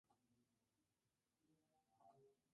En cambio, su hermano siempre ve la botella medio vacía